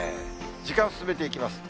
時間進めていきます。